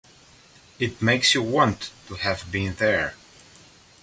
It makes you want to have been there.